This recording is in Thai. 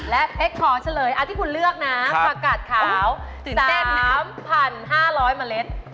แล้วเป๊กขอเฉลยอันที่คุณเลือกนะประกาศขาว๓๕๐๐เมล็ด